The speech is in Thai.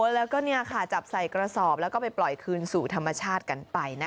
แล้วก็จับใส่กระสอบแล้วก็ไปปล่อยคืนสู่ธรรมชาติกันไปนะคะ